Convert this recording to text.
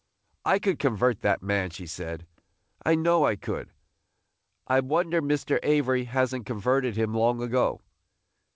"I could convert that man," she said; "I know I could! I wonder Mr. Avery has n't converted him long ago!"